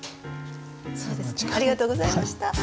そうですねありがとうございました。